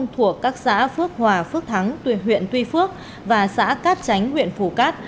thuộc các xã phước hòa phước thắng huyện tuy phước và xã cát chánh huyện phú cát